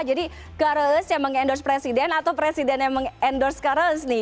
jadi kares yang mengendorse presiden atau presiden yang mengendorse kares nih